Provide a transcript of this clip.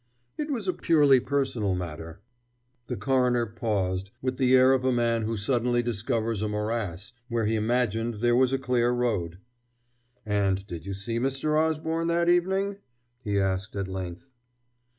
"It was a purely personal matter." The coroner paused, with the air of a man who suddenly discovers a morass where he imagined there was a clear road. "And did you see Mr. Osborne that evening?" he asked at length.